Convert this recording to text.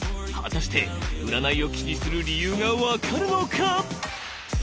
果たして占いを気にする理由が分かるのか！？